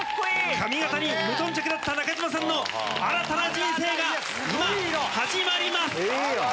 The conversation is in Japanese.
髪形に無頓着だった中島さんの新たな人生が今始まります。